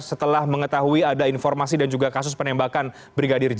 setelah mengetahui ada informasi dan juga kasus penembakan brigadir j